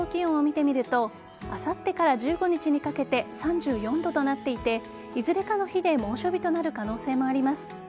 最高気温を見てみるとあさってから１５日にかけて３４度となっていていずれかの日で猛暑日となる可能性もあります。